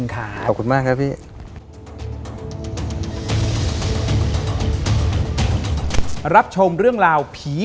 ขอบคุณมากครับพี่